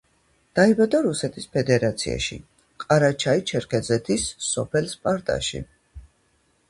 დაიბადა რუსეთის ფედერაციაში, ყარაჩაი-ჩერქეზეთის სოფელ სპარტაში.